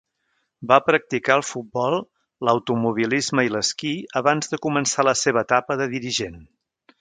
Va practicar el futbol, l'automobilisme i l'esquí abans de començar la seva etapa de dirigent.